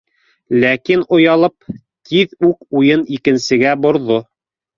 Ләкин, оялып, тиҙ үк уйын икенсегә борҙо: